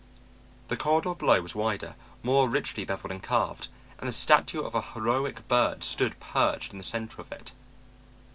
The corridor below was wider, more richly beveled and carved, and the statue of an heroic bird stood perched in the center of it.